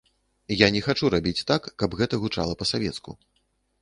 Я не хачу рабіць так, каб гэта гучала па-савецку.